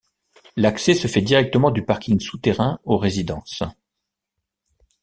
L’accès se fait directement du parking souterrain aux résidences.